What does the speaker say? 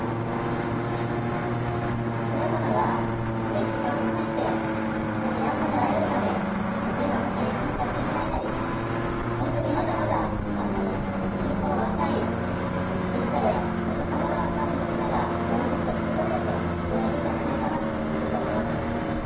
皆様が時間を割いて、本当に朝から夜まで、電話かけに参加していただいたり、本当にまだまだ信仰の若い信徒のさまざまなスタッフの方が電話かけをしていただいて、応援できたんじゃないかなと思います。